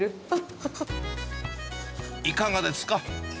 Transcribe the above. いかがですか。